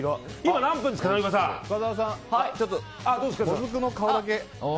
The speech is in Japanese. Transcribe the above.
もずくの顔だけ。